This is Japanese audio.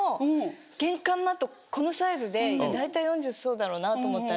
このサイズで大体４０そうだろうなと思ったら。